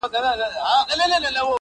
ستا پستو غوښو ته اوس مي هم زړه کیږي.!